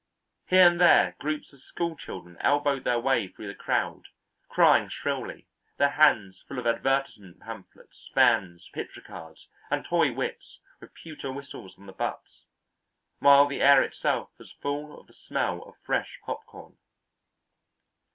Here and there groups of school children elbowed their way through the crowd, crying shrilly, their hands full of advertisement pamphlets, fans, picture cards, and toy whips with pewter whistles on the butts, while the air itself was full of the smell of fresh popcorn.